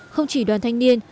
không chỉ đoàn thanh niên